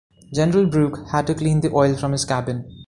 General Brooke had to clean the oil from his cabin.